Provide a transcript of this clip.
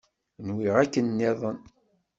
Nwiɣ akken nniḍen.